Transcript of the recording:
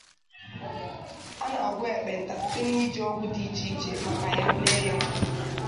A na-agwọ ekpenta site n'iji ọgwụ dị iche iche maka ya mee ihe.